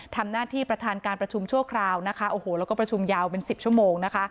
ทำหน้าที่ประธานการประชุมชั่วคราวนะคะโอ้โหแล้วก็ประชุมยาวเป็นสิบชั่วโมงนะคะ